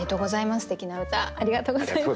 すてきな歌ありがとうございます。